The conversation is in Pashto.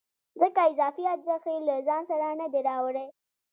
ځکه اضافي ارزښت یې له ځان سره نه دی راوړی